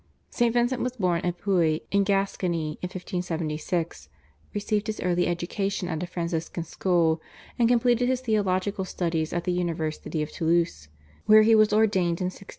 St. Vincent was born at Pouy in Gascony in 1576, received his early education at a Franciscan school, and completed his theological studies at the University of Toulouse, where he was ordained in 1600.